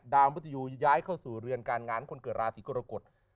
มุทยูย้ายเข้าสู่เรือนการงานคนเกิดราศีกรกฎ